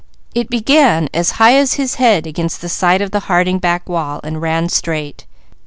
It began as high as his head against the side of the Harding back wall and ran straight.